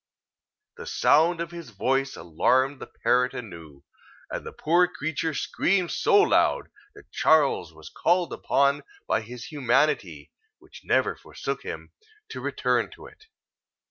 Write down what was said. The sound of his voice alarmed the parrot anew, and the poor creature screamed so loud, that Charles was called upon by his humanity (which never forsook him) to return to it.